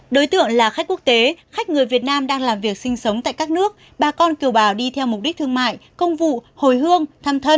đối tượng là khách quốc tế khách người việt nam đang làm việc sinh sống tại các nước bà con kiều bào đi theo mục đích thương mại công vụ hồi hương thăm thân